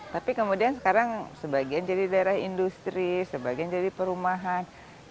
tapi kemudian sekarang sebagian jadi daerah industri sebagian jadi perumahan